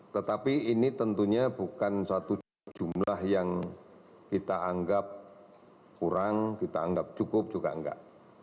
tetapi ini tentunya bukan satu jumlah yang kita anggap kurang kita anggap cukup juga enggak